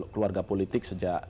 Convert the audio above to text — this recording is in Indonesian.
keluarga politik sejak